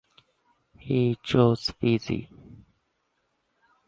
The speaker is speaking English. He chose Fiji.